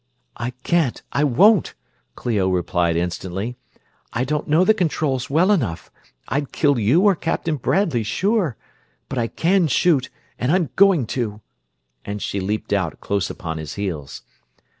"I can't I won't!" Clio replied instantly. "I don't know the controls well enough. I'd kill you or Captain Bradley, sure; but I can shoot, and I'm going to!" and she leaped out, close upon his heels.